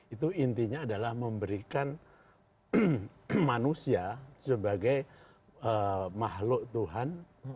itu intinya adalah memberikan manusia sebagai makhluk tuhan